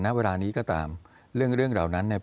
ในเวลานี้ก็ตามเรื่องเหล่านั้นเนี่ย